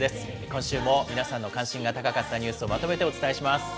今週も皆さんの関心が高かったニュースをまとめてお伝えします。